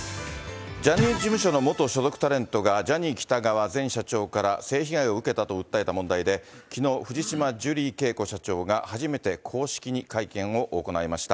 ジャニーズ事務所の元所属タレントがジャニー喜多川前社長から、性被害を受けたと訴えた問題で、きのう、藤島ジュリー景子社長が初めて公式に会見を行いました。